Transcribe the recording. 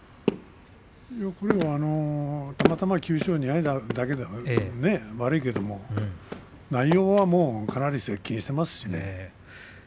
これは、たまたま９勝２敗なだけで、悪いけど内容はかなり接近していますしね。